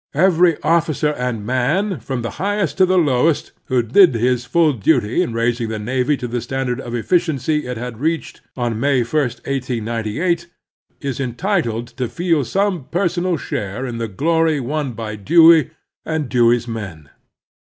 Every officer and man, from the highest to the lowest, who did his full duty in raising the navy to the standard of efficiency it had reached on May i, 1898, is entitled to feel some personal share in the glory won by Dewey and Dewey's men.